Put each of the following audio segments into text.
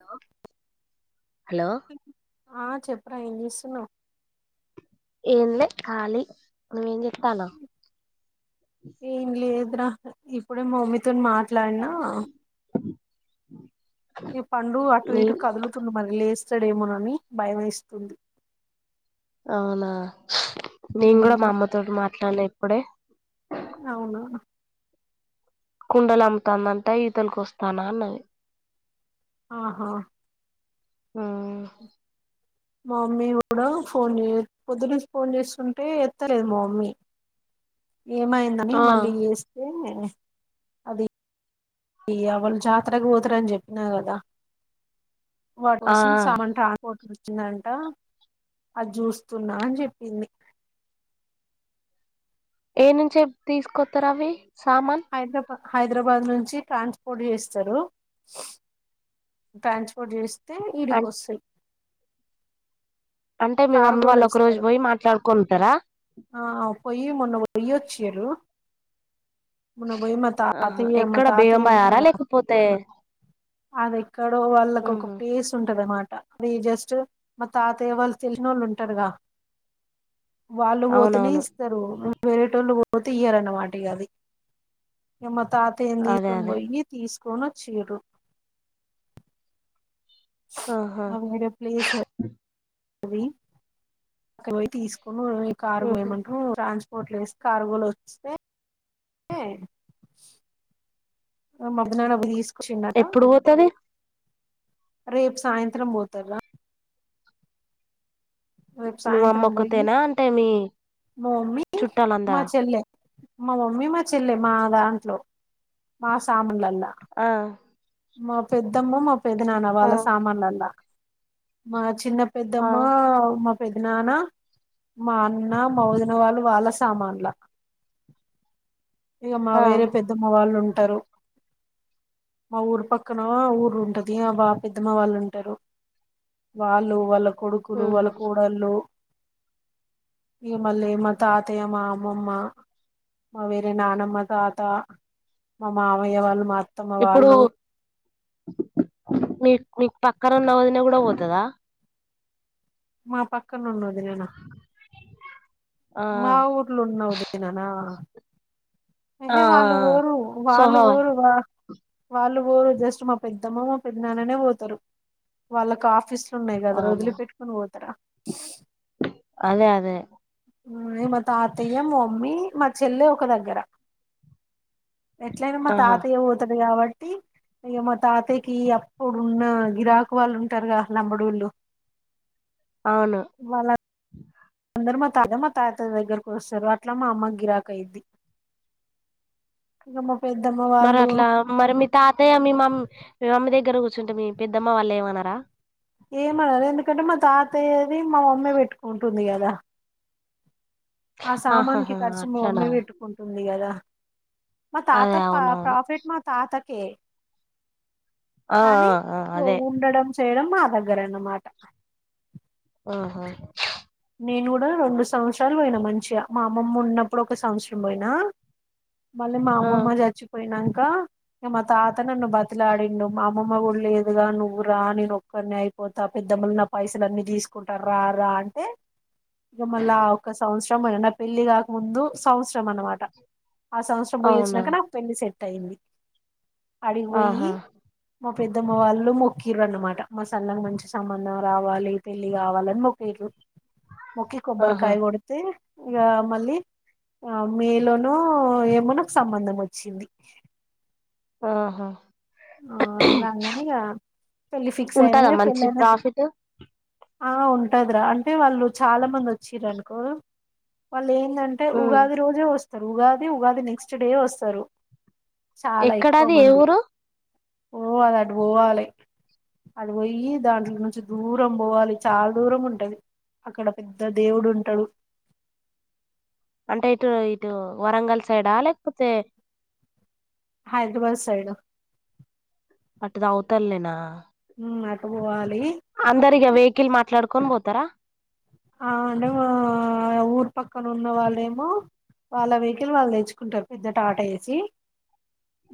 Hello ఆ చెప్ ప్పురా ఎంచేస్తున్నావ్ ఏంలే కాలి నువేం చేతనవ్ ఎం లేదు రా ఇప్పుడే మా మమ్మీతో మా ట్లాడినా ఈ పండు అటు నీ ఇటు కదులుతుండు మళ్ళీ లేస్ చ్చడేమోనని భయంమేస్తుంది అవునా నేను గూడా మా ఉమ్, అమ్మతోటి మా ట్లాడినా ఇప్పుడే అవునా కుండలు అమ్ముతందంటా ఈతలకొస్తానా అన్నది ఆహా ఆ మా మమ్మీ కూడా ఫోన్ చే పొద్దునుంచి ఫోన్ చేసుంటే ఎత్తలేదు మా మమ్మీ ఏమైందని ఆ మళ్ళీ చేస్తే అది ఇగ వాళ్ళు జాతరకు పోతారని చెప్పిన కదా వాటి ఆ కోసం సామాన్ ట్రాన్స్ వచ్చిందంట అది చూస్తున్నా అని చెప్పింది ఏ నుంచే తీసుకొతారు అవి సామన్ హైదరాబాద్ హైదరాబాద్ నుంచి ట్రాన్స్పోర్ట్ చేస్తారు ట్రాన్పోటు చేస్ తే అన్ ఇడికొస్తాయి అంటే మీ మమ్మీ కార్గోలో వాళ్ళు ఒక రోజు ఇస్తారు పోయి మాట్లాడుకుంటారా ఆ పోయి మొన్న పోయ్యొచ్చిరు ఆహా ఎక్కడ బేగం బజార ఉంటాడు కదా లేకపోతే అది ఎక్కడో వాళ్ళకు ఒక ఉహు ప్లేస్ ఉంటది అన్నమాట రీ జస్ట్ మా తాతయ వాళ్ళు తెలిన వాళ్ళు ఉంటారుగా వాళ్ళు పోతనే అవునవును ఇస్తారు వేరేటోళ్ళు పో పోతే ఇయరన్నమాట ఇగ ఆది మా ఆ తాత ఏం అదే తీసుకుని అదే పోయి తీసుకు కొని వచ్చిర్రు ఆహా [unintelligible] ప్లేస్ అది అక్కడ పోయి తీసుకు ఓ ఈ కారు ఉహు పోయనంక [unintelligible] ఓట్లు వేసి కార్గోలు వస్తే మా [unintelligible] ఎప్పుడు పోతది రేపు సాయంత్రం పోతారు రా మీ మమ్మ సాయంత్రం ఒక్క పోయి తేనా అంటే మీ మా మామ్మీ మా చుట్టాలందరా చెల్లె మా మమ్మీ మా చెల్లిె మా దాంట్లో మా సామన్లలో ఆ మా పెద్దమ్మ మా పెద్దనాన్న వాళ్ళ ఆ సామాన్లలా మా చిన్న ఆ పెద్దమ్మ మా పెద్దనాన్న మా అన్న మా వదినా వాళ్ళు వాళ్ళ సామాన్ల ఇక మా ఆ వేరే పెద్దమ్మ వాళ్ళు ఉంట తరు మా ఊరు పక్కన ఆ ఊరు ఉంటది మా పెద్దమ్మ వాళ్ళు ఉంటారు వాళ్ళు వాళ్ళ కొడుకులు ఉహు వాళ్ళ కోడళ్ళు ఇగ మళ్ళీ మా తాతయ్య మా అమ్మమ్మ మా వేరే నానమ్మ తాత మా మామయ్య వాళ్ళు మా అత్తమ్మ వాళ్ళు డు మీ పక్కనా ఉన్న వదిన కూడా పోతద మా పక్కన ఉన్న వదిన నా ఆ మా ఊర్లో ఉన్నా వదిన నా ఆ ఆ ఏహే వాళ్ళు ఆ. పోరు వాళ్ళు సోహో పోరు వా వాళ్ళు పోరు జస్ట్ మా పెద్దమ్మ మా పెద్ద నాన్ననే పోతారు వాళ్ళ కాఫ ఆఫీస్లున్నాయి కదా రా అవును వదిలి పెట్టుకొని పోతరా అదే అదే మా తాతయ్య మా మమ్మీ మా చెల్లె ఒక దగ్గర ఏట్లయిన మా ఆహా తాతయ్య వోతడు కాబట్ ట్టి ఇగ మా తాతయ్యకి అప్పుడు ఉన్న గిరాకు వాళ్ళు ఉంటరుగా లంబడోళ్ళు అవును అందరు మా తాత మా తాత దగ్గరకు వస్తారు అట్లా మా అమ్మక్ గిరాక్ అయిద్ది పెద్దమ్మ మరి వాళ్ళు అట్లా మరి మీ తాతయ్య మీ మ మమ్మీ దగ్ గ్గర కూర్చుంటే మీ పెద్దమ్మ వాళ్ళు ఏమనరా ఏమనరు ఎందుకంటే మా తాత తయ్యది మా మమ్మే పెట్టుకుంటుంది కదా ఆ సామాన్కి ఆహాహా ఖర్చు మా అట్లనా మమ్మి పెట్టుకుంటుంది కదా మా తాత అదే పా అవునవును ప్రాఫిట్ మ తాతక్ కే ఆ ఆ ఆ అదే ఉండడం చేయడం మా దగ్గరన్నమాట ఆహా నేను కూడా రెండు సంవత్సరాలు పోయిన మంచిగా మా అమ్మమ్మ ఉన్నప్పుడు ఒక సంవత్సరం పోయినా మళ్ళ మా ఆ అమ్మమ్మ జచ్చిపోయినంక క మా తాత నన్ను బతిలాడిండు మా అమ్మమ్మ కూడా లేదు గా నువ్వు రా నేను ఒక్కన్నే అయిపోతా పెద్దమ్మలు నా పైసలు అన్ని తీస్ కుంటారు రా రా అంటే ఇగ మళ్ళ ఆ ఒక్క సంవత్సరం నా పెళ్లి కాక ముందు సంవత్సరం అనమాట ఆ సంవత్సర పోయి అవునా వచ్చినాక నాక్ పెళ్లి సేట్ టైంది అడికిపొయ్యి ఆహా మా పెద్దమ్మ వాళ్ళు మొక్కిీరు అన్నమాట మా సర్లకి మంచి సంబంధం రావాలి పెళ్ళి కావాలని అని మొక్కిరు మొక్కి ఆహా కొబ్బరికాయ కొడితే ఇగ మళ్ళీ ఆ మే లనో ఏమో నాక్ సంబంధం వచ్చింది ఆహా ఆ రాంగనే ఇక పెళ్ళి ఫిక్స్ అయిన ఉంటదా మంచి పెళ్ళయిన ప్రాఫిట్ ఆ ఉంటదిరా అంటే వాళ్ళు చాలా మంది వచ్చింరనుకో వాళ్ళు ఏం దంటే హ్మ్. ఉగాది రోజే వస్ స్తారు ఉగాది ఉగాది నెక్స్ట్ డే వస్తరు ఎక్కడాది ఏ ఊరు ఓ అది అటు పోవాలే అటు ఒయ్యి దాంట్లో నుంచి దూరం బొవాలి చాలా దూరం ఉంటది అక్కడ పెద్ద దేవుడు ఉంటడు అంటే ఇటు ఇటు వరంగల్ సైడా లేకపోతే హైదరాబాద్ సైడు అటుది అవుతల్ నేనా ఉమ్ అటు ఒవాలే అందరిగా వెహికల్ మాట్లాడుకొన్ బోత్ త్తర ఆ అంటే మా ఊరు పక్కన ఉన్న వాళ్ళేమో వాళ్ళ వెహికల్ వాళ్ళు తెచ్చుకుంటారు పెద్ద టాట ఏసి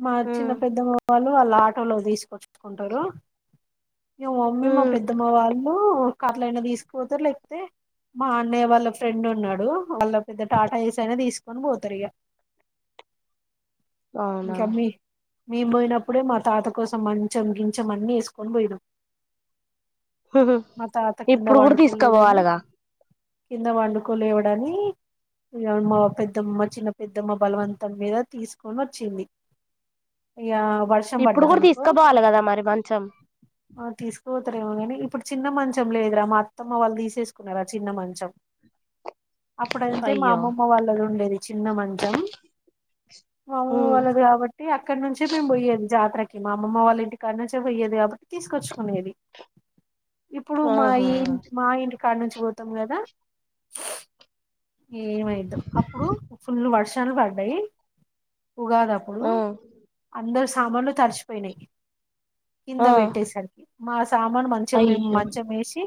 మా చిన్న ఉమ్, పెద్దమ్మ వాళ్ళు వాళ్లట్ ఆటోలో తీసుకొచ్చుకుంటారు ఇగ మ మమ్మీ మా ఉమ్, పెద్దమ్మ వాళ్ళు కార్లైనా తీసుకుపోతారు లేకపోతే మా అన్నయ్య వాళ్ళ ఫ్రెండ్ ఉన్నడు వాళ్ళ పెద్ద టాటా ఏస్ అయినా దీస్ కొన్ బోతరిగ అవునా మేము బోయినప్పుడే మా తాత కోసం మంచం గించం అన్ని ఏసుకొని పోయినాం మా తాత కింద ఇప్పుడు కూడా పండుకోలేడని తీస్కాపోవాలగా కింద వండుకోలేవడాని ఇగ మా పెద్దమ్మ చిన్న పెద్దమ్మ బలవంతం మీద తీసుకొని వట్ చ్చింది యా ఇప్పుడు కూడా తీసుకపోవాలి కదా మరి మంచం ఆ తీసుకోతారేమోగాని ఇప్పుడు చిన్న మంచం లేదురా మా అత్తమ్మ వాళ్ళు తీసేసుకున్నారా ఆ చిన్న మంచం అప్పుడంతే మా అయ్యో అమ్మమ్మ వాళ్ళది ఉండేది చిన్న మంచం మా అమ్మమ్మ ఉమ్, వాళ్ళది కాబట్టి అక్కడ నుంచే మేము బొయ్యేది జాతరకి కి మా అమమ్మ వాళ్ళ ఇంటి కానించె పోయెది అతక్ తీసుకొచ్చుకునేది ఇప్పుడు మా ఆహా ఈంట్ మా ఇంటి కానుంచి పోతాం కదా ఏమైదో అప్పుడు ఫుల్ వర్ష్ టలు వడ్డయ్ ఉగాద అప్పుడు ఆ అందర్స్ సామాన్లు తడిషిపోయినయ్ కింద ఆ వెేట్ టె సర్కి మాస్ సామాను మంచిగ నేను అయ్యో మంచమేషి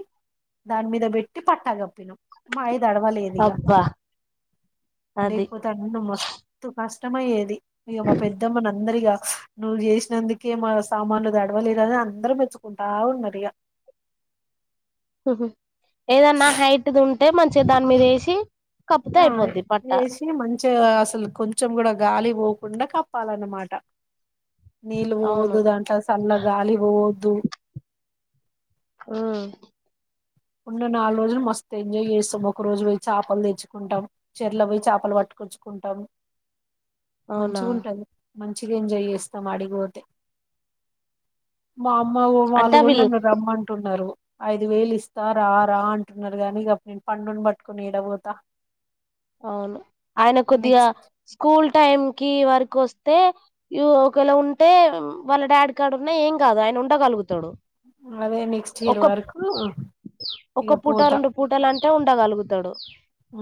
దాన్ మీద పెట్టి పట్టాగప్పినం మాయి దడవలేదిగ అబ్బా అది లేకపోతే నన్న మస్తు కస్ ఇష్టమయ్యేది, ఇక మా పెద్దమ్మని అందరిగా నువ్వు చేసినందుకే మా సామాన్లుతడవలే గదా అందరం మెచ్చుకుంటా ఉన్నారు ఇగ ఒ హో ఏదన్నా హైట్ది ఉంటే మంచిగా దాని మీద వేసి కప్పుతే ఆ అయిపోద్ది పట్ట వేసి మంచిగా అసలు కొంచెం కూడా గాలి పో కుండా కప్పాలన్నమాట నీల్ అవును పోదు దాంట్లో సల్ల గాలి పొ ద్ ఆ ఉన్న నాలుగు రోజులు మస్తు ఎంజాయ్ చేస్తాం, ఒక రోజు పోయి చేపలు తెచ్చుకుంటాం, చెరల పోయి చేపలు పట్టుకొచ్చుకుంటాం. అవునా మంచిగా ఉంటది మంచిగా ఎంజాయ్ చేస్తాం అడికి పొతే మా అమ్మ అంటే వాళ్ళు కూడా అవి నన్ను రమ్మంటున్నారు ఐదు వేళ ఇస్ రా రా అంటున్నారు గానీ ఇకప్పుడు నేను పండును పట్టుకుని ఎడ పోతా అవును ఆయన కొద్దిగా స్కూల్ టైం కి వార్ వస్తే ఒకవేళ ఉంటే వాళ్ళ డాడీ కాడ ఉన్నా ఏం కాదు ఆయన ఉండగలుగుతాడు అదే నెక్స్ట్ ఇయర్ ఒక వరకు ఇక ఒక పూట పోతా రెండు పూటలు అంటే ఉ ఉండగలుగుతాడు ఆ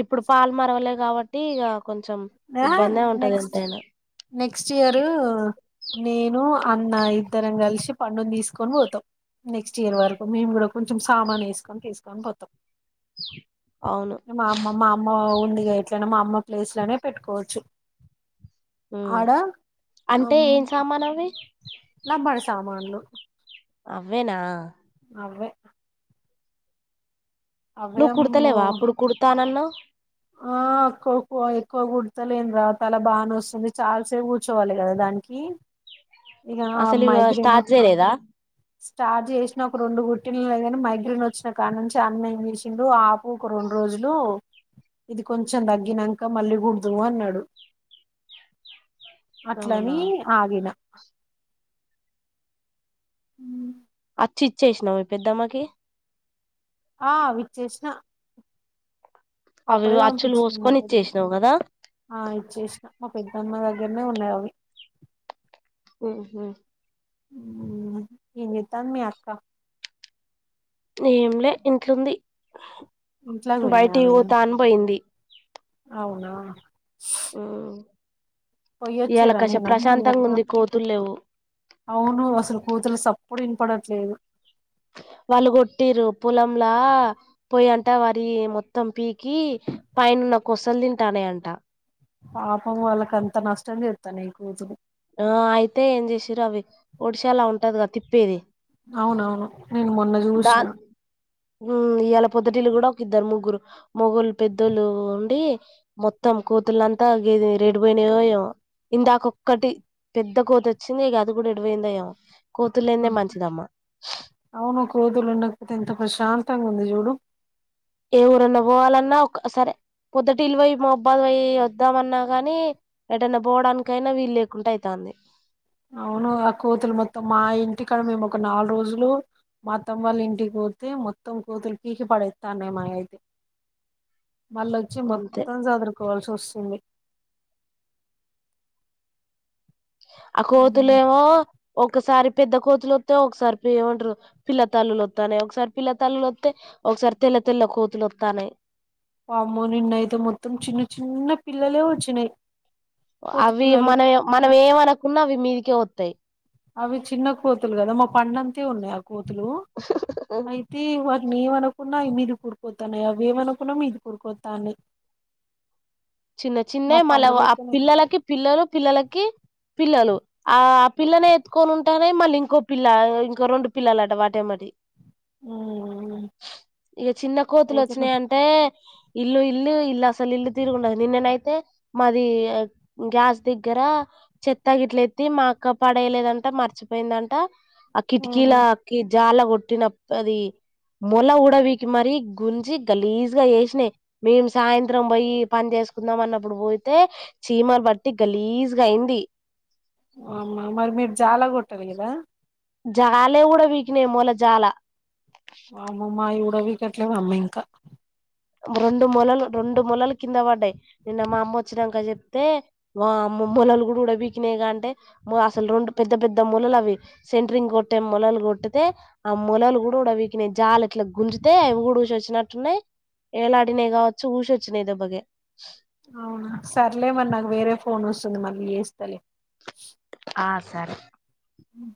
ఇప్పుడు పాలు మరవలేదు కాబట్టి ఇక కొంచెం ఆ ఇబ్బందే ఉంటది నెక్స్ట్ ఎంతైనా నెక్స్ట్ ఇయరు నేను అన్న ఇద్దరం కలిసి పండుని తీసుకొని పోతాం, నెక్స్ట్ ఇయర్ వరకు మేము కూడా కొంచెం సామాన్ వేసుకొని తీసుకొని పోతాం అవును మ మామ్మ ఉ ఇగా ఎట్లనా మా అమ్మ ప్లేస్ లోనే పెట్టుకోవచ్చు ఉ ఆడ అంటే ఏం సామానవి [unintelligible] సామాన్లు అవ్వేనా అవ్వే నువ్వు అవేమో కుడతలేవా అప్పుడు కుడతానాన్నవ్ ఆ ఎక్క్క ఎక్కువ గుర్తలేని తర్వాత అలా బాగానే వస్తుంది చాలాసేపు కూర్చోవాలి కదా దానికి ఇక అసలు ఇక మైగ్రేన్ స్టార్ట్ చేయలేదా స్టార్ట్ చేసిన ఒక రెండు గు పుట్టిన లేగాని మైగ్రైన్ వచ్చిన కాడ నుంచి అన్నయ్య చేసిండు ఆపు ఒక రెండు రోజులు ఇది కొంచెం తగ్గినాక మళ్ళీ కుడదుము అన్నాడు అవునా అట్లని ఆగిన మ్ చ్చిచ్చేసినావు పెద్దమ్మకి ఆ విచేష్ణ అవి అప్పుడే అచ్చులు పంపించింది. మా పోసుకొని పెద్దమ్మా ఇచ్చేసినావు కదా ఆ ఇచ్చేసిన మా పెద్దమ్మ అది ఇయ్న్నే ఉన్నాయి అవి ఓ ఓ ఏమ్ చెత్తది మీ అక్క ఏంలే ఇంట్లుంది ఇంట్లోకి పోయిందా బయటికి ఆమె పోతా అని పోయింది. అవునా హ్మ్ పోయ్యొచ్చిరానే [unintelligible] ఉంది కోతులు లేవు అవును అసలు కోతుళ్ళ సప్పుడే వినపడట్లేదు. వాళ్ళు కొట్టిరు పొలంలా పోయట వారి మొత్తం పీకి పైనున్న కొసలు తింటానయ అంట పాపం వాళ్ళకి అంత నష్టం చేస్తానాయ్ కోతులు ఆ అయితే ఏం చేసిర్రు. అవి ఒడిశాలా ఉంటది కదా తిప్పేది అవునవును నేను మొన్న చూసిన ఇవాళ పొద్దుటీలు కూడా ఒక ఇద్దారు ముగ్గురు మొగోళ్లు పెద్దోళ్ళు ఉండి, మొత్తం కోతులంతా గేదిమిర్రు ఎటుపోయినాయో ఏమో ఇందాక ఒకటి పెద్ద కోత వచ్చింది. అది కూడా ఎటు పోయిందో ఏమో కోతులు ఆ లేనిదే మంచిదమ్మ అవును కోతులు ఉండకపోతే ఎంత ప్రశాంతంగా ఉంది. చూడు ఏ ఊరన్నా పోవాలన్నా ఒక్ సరే పోద్దటిలి పోయి మహాబాద్ పోయి వద్దామన్నా గానీ ఎటైనా పోవడానికైనా వీలు లేకుండా అయితంది. అవును ఆ కోతులు మొత్తం మా ఇంటికాడ మేము, ఒక నాలుగు రోజులు మా అత్తమ్మా వాళ్ళ ఇంటికి పోతే, మొత్తం కూతులు పీకి పడేత్తానయ్ మొత్తం మా అయితే మళ్ళా వచ్చి అంతే మొత్తం సదురు కోవాల్సి వస్తుంది. ఆ కోతులు ఏమో ఒకసారి పెద్ద కోతులు వత్తే, ఒకసారి ఏమంటరు పిల్లతల్లులు వత్తనాయి. ఒకసారి పిల్ల తల్లులు వత్తే ఒకసారి తెల్ల తెల్ల కోతులు వత్తనాయి. వామో నిన్నయితే మొత్తం చిన్న చిన్న పిల్లలే వచ్చినాయి. కోతి అవి పిల్లలు మనం మనం ఏమనుకున్నా అవి మీదికే వా వత్తాయ్ అవి చిన్న కోతులు కదా మా పండు అంతే ఉన్నాయి. అవి కోతులు అయితే వ నేను ఏమి అనుకున్నా అవి మీది ఊరుకోతానాయ్ అవి ఏమనుకున్నా మీది ఊరుకోకతానాయ్ చిన్న చిన్నవి మళ్ళీ ఆ పిల్లలకి పిల్లలు, పిల్లలకి పిల్లలు ఆ పిల్లనే ఎతుకొని ఉంటానాయ్ మళ్ళీ ఇంకో పిల్ల, ఇంకో రెండు పిల్లలు అట వాటే ఎమ్మాటి ఉమ్ ఇగా చిన్న కోతులు వచ్చినాయంటే ఇల్లు ఇలు ఇల్ అసలు ఇల్ తీరుకు ఉండదు. నిన్ననైతే మాది గ్యాస్ దగ్గర చెత్తగిట్ల ఎత్తి మా అక్క పడేలేదంట మర్చిపోయిందంట ఆ ఉమ్ కిటికీలా అక్క జాల కొట్టినాం అది మొల ఉడవికి మరీ గుంజి గలీజ్గా చేసినాయి. మేము సాయంత్రం పోయి పని చేసుకుని కుందాం అన్నప్పుడు పోయితే చీమలు బట్టి గలీజ్గా అయింది వామ్మ మరి మీరు జాలా కొట్టాలి కదా జాల కూడా వికినయి మొల జాల వామమ్మ ఇవో అవిగట్లవు అమ్మాయి ఇంకా రెండు మొలలు రెండు మొలలు కింద పడ్డాయి నిన్న మా అమ్మ వచ్చినాక చెప్తే వా అమ్మ మొలలు కూడా ఉడవీకినాయిగా అంటే అసలు రెండు పెద్ద పెద్ద మొలలు అవి సెంటరింగ్ కొట్టే మొలలు కొట్టితే ఆ మొలలు కూడా ఉడబీకినాయి జాల ఇట్లా గుంజుతే అవి కూడా ఉసివచ్చినట్టు ఉన్నాయ్ ఎలాడినాయి కావచ్చు ఊషొచ్చిన దెబ్బకే అవునా సర్లేమరి నాకు వేరే ఫోన్ వస్తుంది మళ్ళీ చేస్తలే ఆ సరే హ